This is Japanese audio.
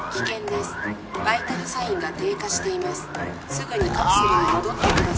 すぐにカプセルに戻ってください。